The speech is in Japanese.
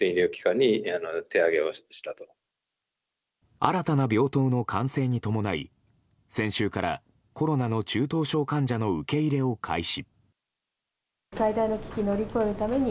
新たな病棟の完成に伴い先週からコロナの中等症患者の受け入れを開始。